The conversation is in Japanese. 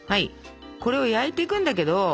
これを焼いていくんだけど。